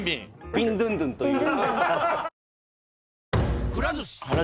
ビンドゥンドゥンという。